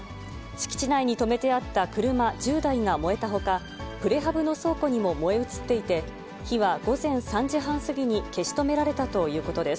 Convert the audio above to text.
敷地内に止めてあった車１０台が燃えたほか、プレハブの倉庫にも燃え移っていて、火は午前３時半過ぎに消し止められたということです。